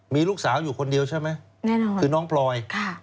มีลูกสาวอยู่คนเดียวใช่ไหมแน่นอนคือน้องพลอย